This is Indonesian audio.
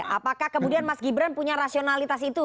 apakah kemudian mas gibran punya rasionalitas itu